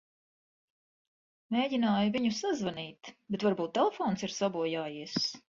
Mēģināju viņu sazvanīt, bet varbūt telefons ir sabojājies.